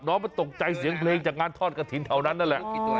น้องมันตกใจเสียงเพลงจากงานทอดกระถิ่นแถวนั้นนั่นแหละ